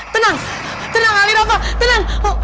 tenang tenang ali bapak tenang